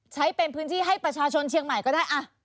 ใช้เป็นพื้นที่ให้ประชาชนเชียงใหม่ก็ได้